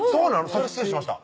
それは失礼しました